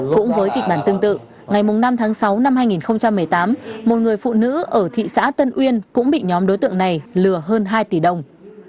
cũng với kịch bản tương tự ngày năm tháng sáu năm hai nghìn một mươi tám một người phụ nữ ở thị xã tân uyên cũng bị nhóm đối tượng này lừa hơn hai tỷ đồng